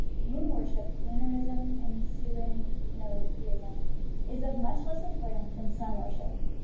* Moon worship (lunarism and selenotheism) is of much less importance than sun worship.